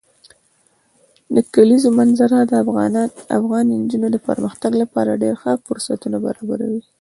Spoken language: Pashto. د کلیزو منظره د افغان نجونو د پرمختګ لپاره ډېر ښه فرصتونه برابروي.